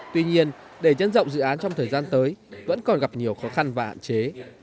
tuy nhiên để dân dọng dự án trong thời gian tới vẫn còn gặp nhiều khó khăn và ạn chế